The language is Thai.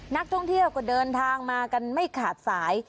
นักท่องเที่ยวก็เดินทางมากันไม่ขาดสาย